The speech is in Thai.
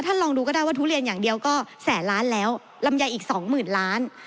ลองดูก็ได้ว่าทุเรียนอย่างเดียวก็แสนล้านแล้วลำไยอีกสองหมื่นล้าน